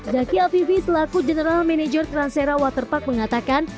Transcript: daki alvivi selaku general manager transera waterpark mengatakan